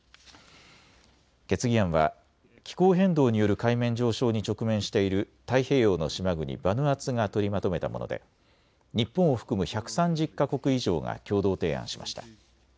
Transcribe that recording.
決議案は気候変動による海面上昇に直面している太平洋の島国バヌアツが取りまとめたもので日本を含む１３０か国以上が共同提案しました。